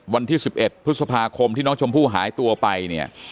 วันที่๑๑พฤษภาคมที่น้องชมพู่หายตัวไปเนี่ย